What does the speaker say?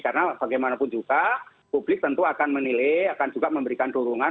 karena bagaimanapun juga publik tentu akan menilai akan juga memberikan dorongan